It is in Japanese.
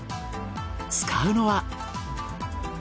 使うのは。